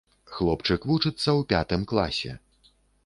Хлопчык вучыцца ў пятым класе.